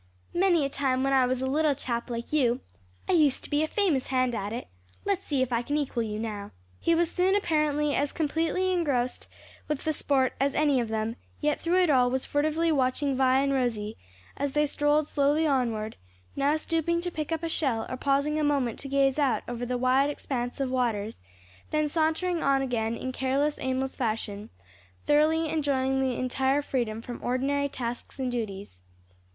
"Many a time when I was a little chap like you, I used to be a famous hand at it. Let's see if I can equal you now." He was soon apparently as completely engrossed with the sport as any of them, yet through it all was furtively watching Vi and Rosie as they strolled slowly onward, now stooping to pick up a shell or pausing a moment to gaze out over the wide expanse of waters, then sauntering on again in careless, aimless fashion, thoroughly enjoying the entire freedom from ordinary tasks and duties.